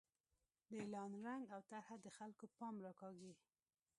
د اعلان رنګ او طرحه د خلکو پام راکاږي.